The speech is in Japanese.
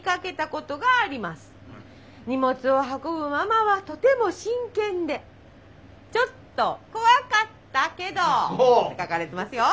荷物を運ぶママはとても真剣でちょっと怖かったけど」。って書かれてますよ。